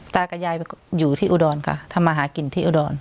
ตากับยายไปอยู่ที่อุดรค่ะทำมาหากินที่อุดร